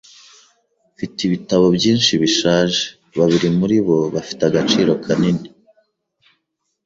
Mfite ibitabo byinshi bishaje. Babiri muri bo bafite agaciro kanini.